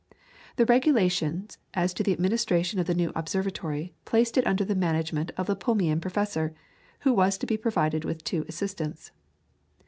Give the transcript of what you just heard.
The regulations as to the administration of the new observatory placed it under the management of the Plumian Professor, who was to be provided with two assistants.